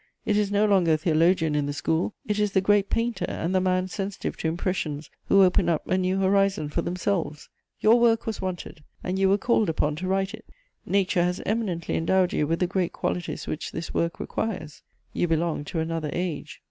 It is no longer a theologian in the school, it is the great painter and the man sensitive to impressions who open up a new horizon for themselves. Your work was wanted, and you were called upon to write it. Nature has eminently endowed you with the great qualities which this work requires: you belong to another age....